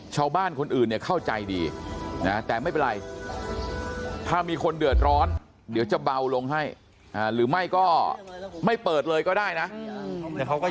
ชาวบ้านคนอื่นเนี่ยเข้าใจดีนะแต่ไม่เป็นไรถ้ามีคนเดือดร้อนเดี๋ยวจะเบาลงให้หรือไม่ก็ไม่เปิดเลยก็ได้นะ